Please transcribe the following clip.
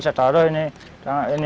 saya taruh ini ini barangnya kan gini